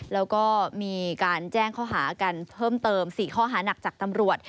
แล้วก็มีการแจ้งข้อหากันเพิ่มเติม๔ข้อหานักจากตำรวจ